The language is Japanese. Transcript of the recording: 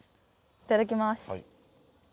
いただきます。